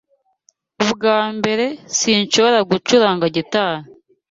Ubwa mbere, sinshobora gucuranga gitari.